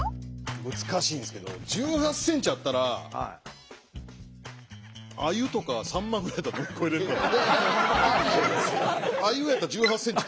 難しいんですけど１８ｃｍあったらアユとかサンマぐらいやったら乗り越えられるかな？